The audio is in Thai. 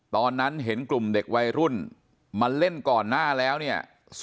ตอนนั้นเห็นกลุ่มเด็กวัยรุ่นมาเล่นก่อนหน้าแล้วเนี่ย